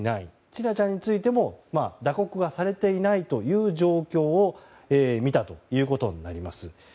千奈ちゃんについても打刻はされていないという状況を見たということになります。